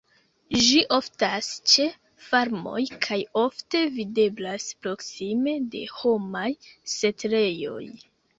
Ĝi oftas ĉe farmoj kaj ofte videblas proksime de homaj setlejoj.